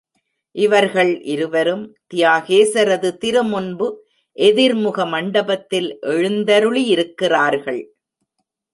இவர்கள் இருவரும், தியாகேசரது திருமுன்பு எதிர்முக மண்டபத்தில் எழுந்தருளியிருக்கிறார்கள்.